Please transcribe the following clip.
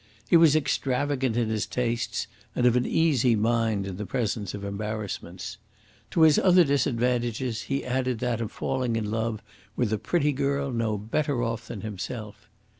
He was extravagant in his tastes, and of an easy mind in the presence of embarrassments. To his other disadvantages he added that of falling in love with a pretty girl no better off than himself.